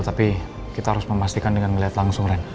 tapi kita harus memastikan dengan melihat langsung ren